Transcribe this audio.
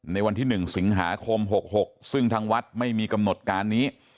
ในวันที่๑สิงหาคม๖๖ซึ่งทางวัดไม่มีกำหนดการนี้